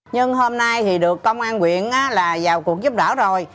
nhưng hôm nay thì được công an quyện là vào cuộc giúp đỡ rồi